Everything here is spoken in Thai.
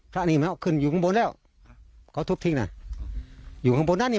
พระนี่ไม่เอาขึ้นอยู่ข้างบนแล้วเขาทุบทิ้งน่ะอยู่ข้างบนนั้นนี่